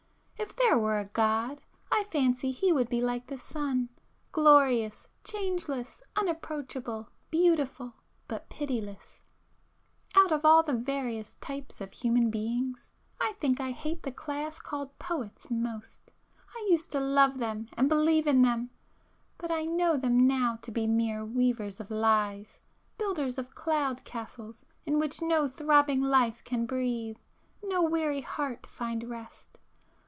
If there were a God I fancy He would be like the sun,—glorious, changeless, unapproachable, beautiful, but pitiless! ····· Out of all the various types of human beings I think I hate the class called poets most. I used to love them and believe in them; but I know them now to be mere weavers of lies,—builders of cloud castles in which no throbbing life can breathe, no weary heart find rest.